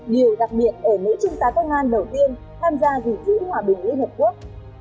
điều đặc biệt ở nữ trung tá công an đầu tiên tham gia gìn giữ hòa bình liên hợp quốc